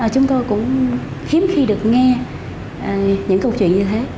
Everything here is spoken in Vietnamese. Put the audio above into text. chúng tôi cũng khiếm khi được nghe những câu chuyện như thế